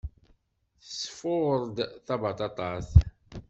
Tesfuṛ-d tabaṭaṭat.